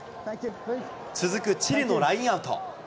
続くチリのラインアウト。